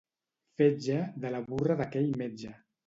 —Fetge. —De la burra d'aquell metge.